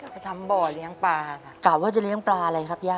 ไปทำบ่อเลี้ยงปลาครับ